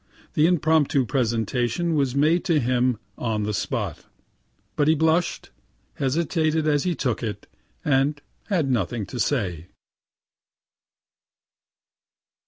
The impromptu presentation was made to him on the spot, but he blush'd, hesitated as he took it, and had nothing to say.